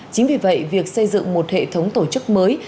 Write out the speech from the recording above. chính vì vậy việc xây dựng một hệ thống tổ chức mới